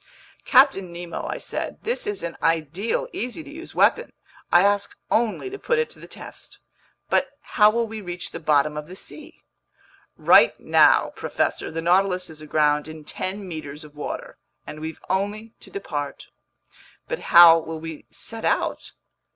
"Captain Nemo," I said, "this is an ideal, easy to use weapon. I ask only to put it to the test. But how will we reach the bottom of the sea?" "Right now, professor, the Nautilus is aground in ten meters of water, and we've only to depart." "But how will we set out?"